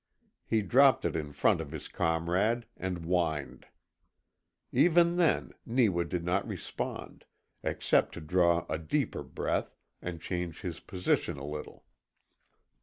He dropped it in front of his comrade, and whined. Even then Neewa did not respond, except to draw a deeper breath, and change his position a little.